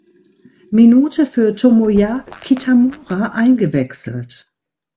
Minute für Tomoya Kitamura eingewechselt.